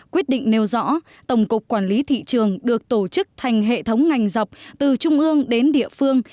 quyết định nêu rõ tổng cục quản lý thị trường được tổ chức thành hệ thống ngành dọc từ trung ương đến địa phương